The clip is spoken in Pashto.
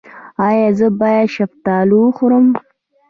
ایا زه باید شفتالو وخورم؟